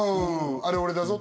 「あれ俺だぞ」